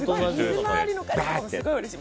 水回りの家事もすごいうれしい。